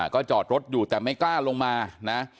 ก็จอดรถอยู่แต่ไม่กล้าลงมานะ